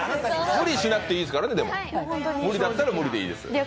無理しなくていいですからね無理だったら無理でいいです。